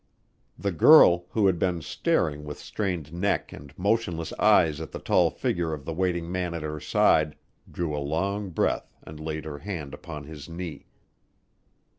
The girl, who had been staring with strained neck and motionless eyes at the tall figure of the waiting man at her side, drew a long breath and laid her hand upon his knee.